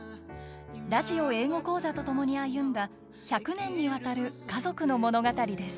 ラジオ英語講座とともに歩んだ１００年にわたる家族の物語です。